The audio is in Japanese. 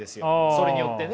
それによってね。